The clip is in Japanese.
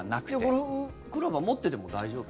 ゴルフクラブは持ってても大丈夫？